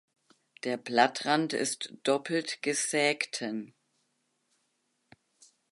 Der Blattrand ist doppelt gesägten.